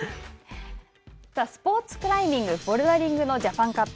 スポーツクライミングボルダリングのジャパンカップ。